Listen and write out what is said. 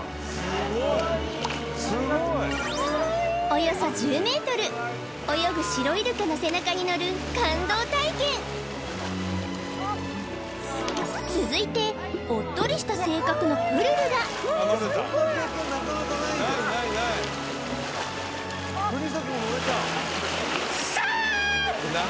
およそ１０ｍ泳ぐシロイルカの背中に乗る感動体験続いておっとりした性格のプルルがシェー！